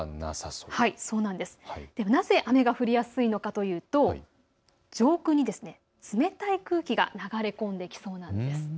なぜ雨が降りやすいのかというと上空に冷たい空気が流れ込んできそうなんです。